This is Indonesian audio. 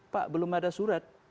pak belum ada surat